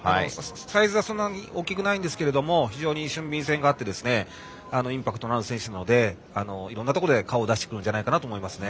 サイズは大きくないんですが非常に俊敏性があってインパクトのある選手なのでいろんなところで顔出してくるんじゃないですかね。